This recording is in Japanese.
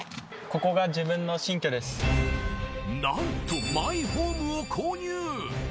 なんとマイホームを購入。